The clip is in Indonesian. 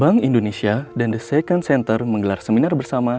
bank indonesia dan the second center menggelar seminar bersama